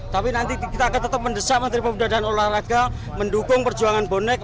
tapi nanti kita akan tetap mendesak menteri pemuda dan olahraga mendukung perjuangan bonek